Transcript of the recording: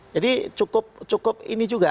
jadi cukup ini juga